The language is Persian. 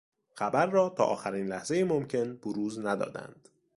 خبر را تا آخرین لحظهی ممکن بروز ندادند.